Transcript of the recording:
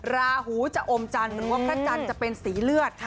ราหูจะอมจันทร์หรือว่าพระจันทร์จะเป็นสีเลือด